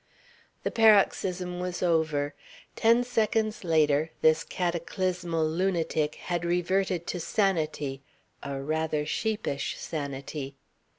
The paroxysm was over. Ten seconds later this cataclysmal lunatic had reverted to sanity a rather sheepish sanity.